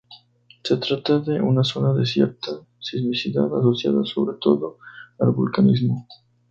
Se trata de una zona de cierta sismicidad asociada sobre todo al vulcanismo.